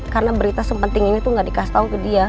karena berita sepenting ini tuh gak dikasih tau ke dia